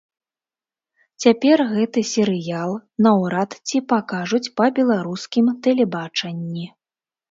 Цяпер гэты серыял наўрад ці пакажуць па беларускім тэлебачанні.